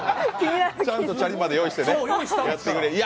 ちゃんとチャリまで用意して、やってくれて。